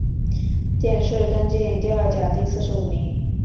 殿试登进士第二甲第四十五名。